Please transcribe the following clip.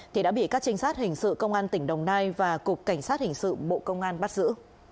thì đã bị các trinh sát hình sự công an tỉnh đồng nai và cục cảnh sát hình sự bộ công an bắt giữ